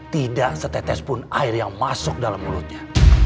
tidak setetes pun air yang masuk dalam mulutnya